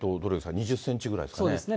２０センチぐらいですかね。